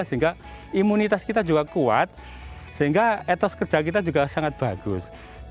sehingga imunitas kita juga kuat sehingga etos kerja kita juga sangat bagus